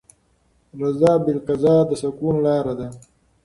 رضا بالقضا د سکون لاره ده.